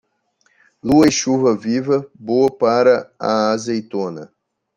Lua e chuva viva, boa para a azeitona.